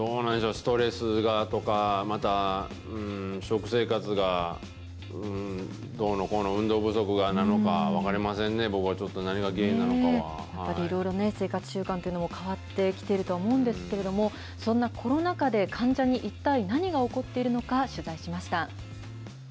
ストレスだとか、また、食生活がどうのこうの、運動不足なのか、分かりませんね、いろいろね、生活習慣というのも変わってきているとは思うんですけれども、そんなコロナ禍で患者に一体、何が起こっているのか取材しました。